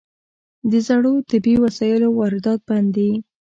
د زړو طبي وسایلو واردات بند دي؟